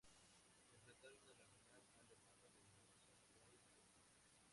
Se enfrentaron en la final al hermano de Johnson, Bryan Johnson.